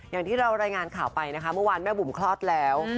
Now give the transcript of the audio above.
อย่างที่เรารายงานข่าวไปนะคะเมื่อวานแม่บุ๋มคลอดแล้ว